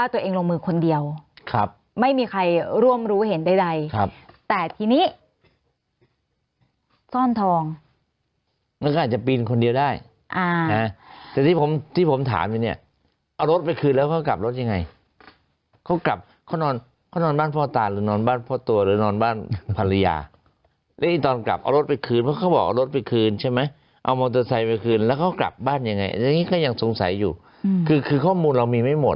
แต่ทีนี้ซ่อนทองมันก็อาจจะปีนคนเดียวได้อ่าแต่ที่ผมที่ผมถามไปเนี่ยเอารถไปคืนแล้วก็กลับรถยังไงเขากลับเขานอนเขานอนบ้านพ่อตาหรือนอนบ้านพ่อตัวหรือนอนบ้านภรรยาแล้วที่ตอนกลับเอารถไปคืนเพราะเขาบอกเอารถไปคืนใช่ไหมเอามอเตอร์ไซต์ไปคืนแล้วก็กลับบ้านยังไงอันนี้ก็ยังสงสัยอยู่คือคือข้อมูลเรามีไม่